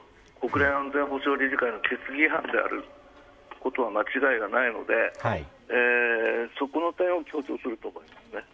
国連安全保障理事会の決議違反であることは間違いがないのでその点を強調すると思います。